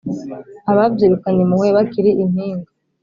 Ababyirukanye impuhwe bakiri I Mpinga